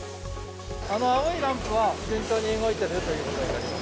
青いランプは順調に動いてるということになります。